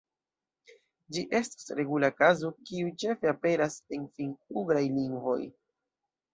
Ĝi estas regula kazo, kiu ĉefe aperas en finn-ugraj lingvoj.